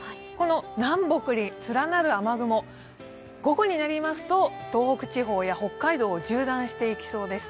南北に連なる雨雲、午後になりますと東北地方や北海道を縦断していきそうです。